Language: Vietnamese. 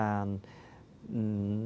thế cho nên là